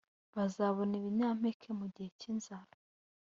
bazabona ibinyampeke mu gihe cy inzara